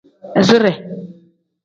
Izire.